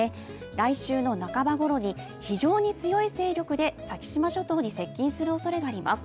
来週の半ば頃に非常に強い勢力で先島諸島付近に接近するおそれがあります。